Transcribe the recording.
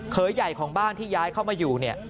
เคยใหญ่ของบ้านที่ย้ายเข้ามาอยู่เนี่ย